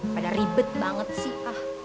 pada ribet banget sih ah